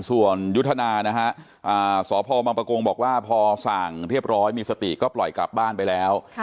ส่วนยุทธนานะฮะสพบังปะโกงบอกว่าพอสั่งเรียบร้อยมีสติก็ปล่อยกลับบ้านไปแล้ว